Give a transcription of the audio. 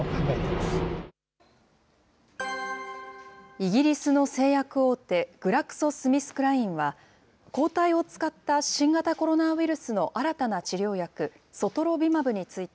イギリスの製薬大手、グラクソ・スミスクラインは、抗体を使った新型コロナウイルスの新たな治療薬、ソトロビマブについて、